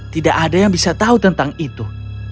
tidak ada yang bisa tahu tentang itu